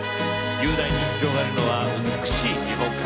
雄大に広がるのは美しい日本海。